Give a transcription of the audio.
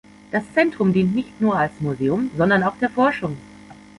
Das Zentrum dient nicht nur als Museum, sondern auch der Forschung.